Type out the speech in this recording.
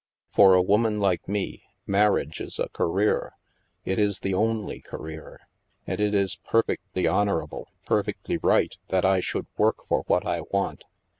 For a woman like me, marriage is a career; it is the only career. And it is perfectly honorable, perfectly right, that I should work for what I want.